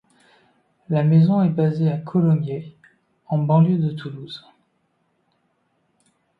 La maison est basée à Colomiers, en banlieue de Toulouse.